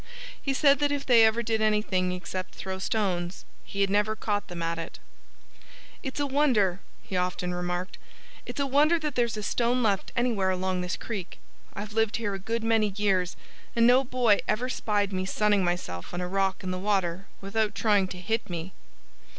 He said that if they ever did anything except throw stones he had never caught them at it. "It's a wonder" he often remarked "it's a wonder that there's a stone left anywhere along this creek. I've lived here a good many years; and no boy ever spied me sunning myself on a rock in the water without trying to hit me."